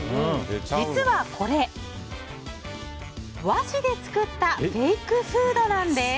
実はこれ、和紙で作ったフェイクフードなんです。